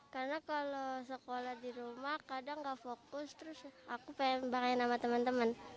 karena kalau sekolah di rumah kadang tidak fokus terus aku pengen bermain dengan teman teman